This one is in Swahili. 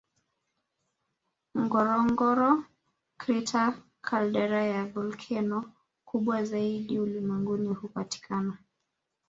Ngorongoro Crater caldera ya volkeno kubwa zaidi ulimwenguni hupatikana